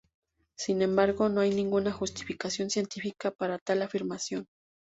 Sin embargo, no hay ninguna justificación científica para tal afirmación.